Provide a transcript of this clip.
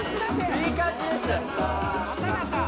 いい感じです！